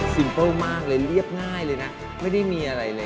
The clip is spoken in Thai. เปิ้ลมากเลยเรียบง่ายเลยนะไม่ได้มีอะไรเลย